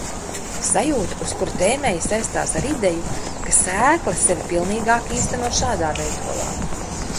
Sajūta, uz kuru tēmēju, saistās ar ideju, ka sēkla sevi pilnīgāk īsteno šādā veidolā.